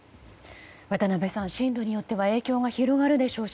渡辺さん、進路によっては影響が広がるでしょうし